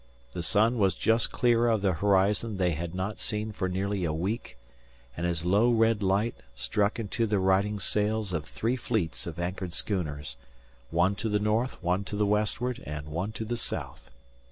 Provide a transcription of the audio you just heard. The sun was just clear of the horizon they had not seen for nearly a week, and his low red light struck into the riding sails of three fleets of anchored schooners one to the north, one to the westward, and one to the south.